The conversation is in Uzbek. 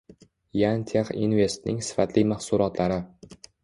“Yan Tex Invest”ning sifatli mahsulotlari